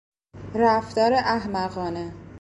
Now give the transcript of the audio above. رفتار احمقانه